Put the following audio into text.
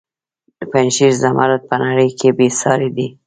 د پنجشیر زمرد په نړۍ کې بې ساري دي